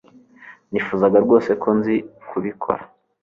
Nifuzaga rwose ko nzi kubikora